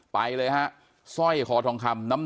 ไปเลยฮะสร้อยขอทองคำ